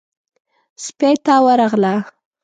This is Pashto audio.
سپۍ ته ورغله.